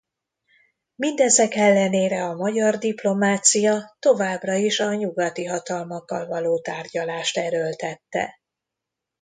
Mindezek ellenére a magyar diplomácia továbbra is a nyugati hatalmakkal való tárgyalást erőltette.